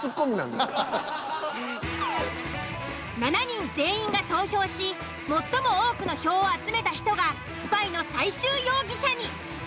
７人全員が投票し最も多くの票を集めた人がスパイの最終容疑者に。